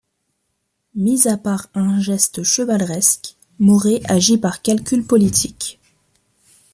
Mis à part un geste chevaleresque, Moray agit par calcul politique.